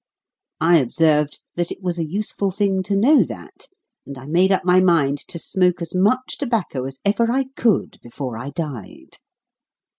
I observed that it was a useful thing to know that, and I made up my mind to smoke as much tobacco as ever I could before I died.